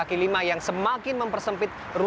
kondisi yang membuat pergerakan ke jalan slipi lebih berat